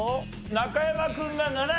中山君が７２。